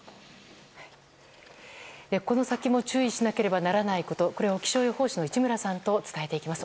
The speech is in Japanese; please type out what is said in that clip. この先も注意しなければならないことを気象予報士の市村さんと伝えていきます。